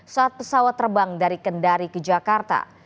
saat pesawat terbang dari kendari ke jakarta